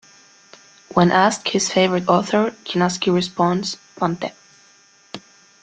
When asked his favorite author, Chinaski responds, Fante.